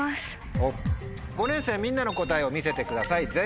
５年生みんなの答えを見せてください。